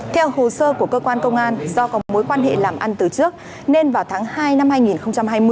theo hồ sơ của cơ quan công an do có mối quan hệ làm ăn từ trước nên vào tháng hai năm hai nghìn hai mươi